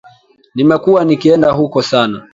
Nimekuwa nikienda huko sana